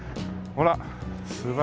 ほら。